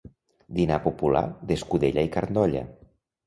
Dinar popular d'escudella i carn d'olla.